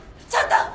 ちょっと！